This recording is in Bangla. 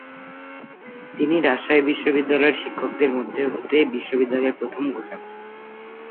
তিনিই রাজশাহী বিশ্ববিদ্যালয়ের শিক্ষকদের মধ্য হতে বিশ্ববিদ্যালয়ের প্রথম উপাচার্য।